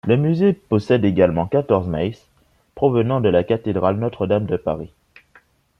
Le musée possède également quatorze Mays provenant de la cathédrale Notre-Dame de Paris.